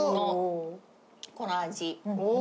この味。